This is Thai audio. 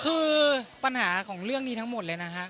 คือปัญหาของเรื่องนี้ทั้งหมดเลยนะครับ